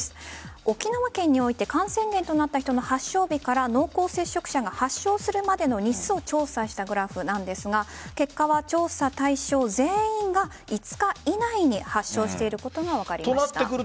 沖縄県において感染源となった人の発症日から濃厚接触者が発症するまでの日数を調査したグラフなんですが結果は調査対象全員が５日以内に発症していることが分かりました。